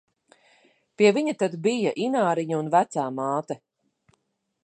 Pie viņa tad bija Ināriņa un vecā māte.